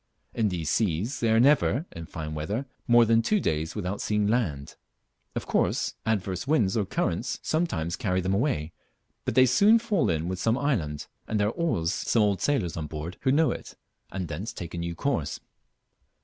In these seas they are never (in fine weather) more than two days without seeing land. Of course adverse winds or currents sometimes carry them away, but they soon fall in with some island, and there are always some old sailors on board who know it, and thence take a new course.